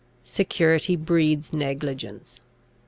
Security breeds negligence.